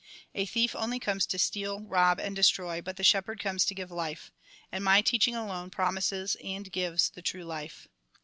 " A thief only comes to steal, rob, and destroy, but the shepherd comes to give life. And my teaching alone promises, and gives the true hfe.